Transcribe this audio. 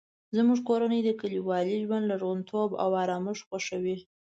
زموږ کورنۍ د کلیوالي ژوند لرغونتوب او ارامښت خوښوي